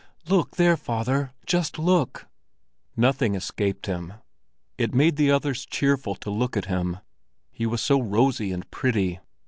"Look there, father! Just look!" Nothing escaped him. It made the others cheerful to look at him—he was so rosy and pretty.